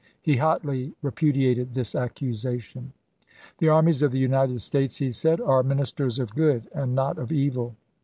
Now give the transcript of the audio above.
He hotly repudiated this accusation. " The armies of the United States," he said, " are ministers of good and not of evil.